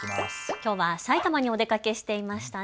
きょうはさいたまにお出かけしていましたね。